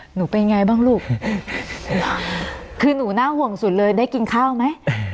หนูเป็นไงบ้างลูกคือหนูน่าห่วงสุดเลยได้กินข้าวไหม